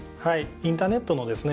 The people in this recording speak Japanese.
インターネットのですね